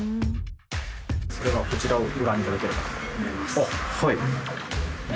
ではこちらをご覧いただければと思います。